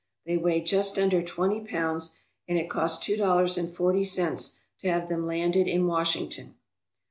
They weighed just under twenty pounds, and it cost two dollars and forty cents to have them landed in Washington.